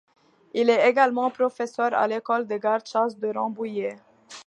Il est également professeur à l'École des gardes-chasse de Rambouillet.